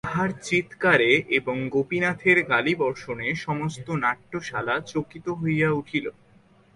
তাহার চীৎকারে এবং গোপীনাথের গালিবর্ষণে সমস্ত নাট্যশালা চকিত হইয়া উঠিল।